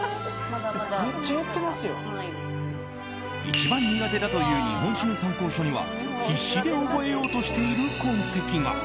一番苦手だという日本史の参考書には必死で覚えようとしている痕跡が。